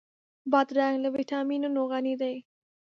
بادرنګ له ويټامینونو غني دی.